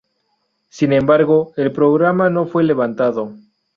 Sin embargo el programa no fue levantado.